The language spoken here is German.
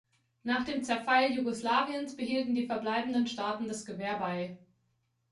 Nach dem Zerfall Jugoslawiens behielten die verbleibenden Staaten das Gewehr bei.